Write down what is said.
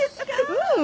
うん。